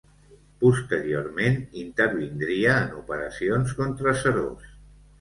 Posteriorment intervindria en operacions contra Seròs.